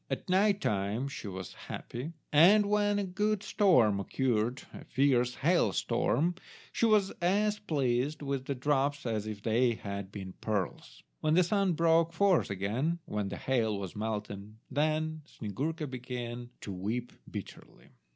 At night time she was happy; and when a good storm occurred, a fierce hail storm, she was as pleased with the drops as if they had been pearls. When the sun broke forth again—when the hail was melted—then Snyegurka began to weep bitterly.